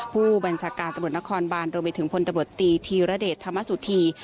ผู้บัญชาการตำรวจนครบานรวมไปถึงพลตำรวจตีธีรเดชธรรมสุธี